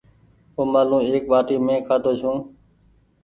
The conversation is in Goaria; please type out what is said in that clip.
اومآلون ايڪ ٻآٽي مينٚ کآڌو ڇوٚنٚ